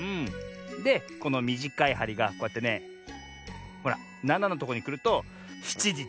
でこのみじかいはりがこうやってねほら７のとこにくると７じちょうどってわけよ。